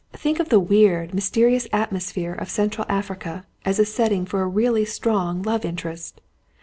Think of the weird, mysterious atmosphere of Central Africa, as a setting for a really strong love interest.